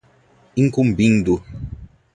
incumbindo